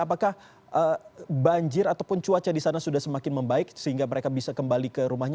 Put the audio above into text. apakah banjir ataupun cuaca di sana sudah semakin membaik sehingga mereka bisa kembali ke rumahnya